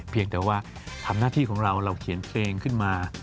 เพียงแต่ว่าทำหน้าที่ของเราเราเขียนเพลงขึ้นมา